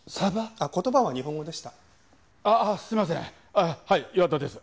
ああはい岩田です。